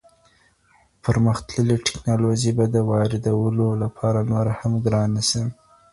پرمختللې تکنالوژي به د واردولو لپاره نوره هم ګرانه سي.